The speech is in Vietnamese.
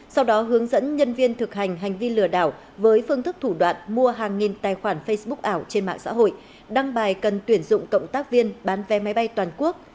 sau đó hướng dẫn nhân viên thực hành hành vi lừa đảo với phương thức thủ đoạn mua hàng nghìn tài khoản facebook ảo trên mạng xã hội đăng bài cần tuyển dụng cộng tác viên bán vé máy bay toàn quốc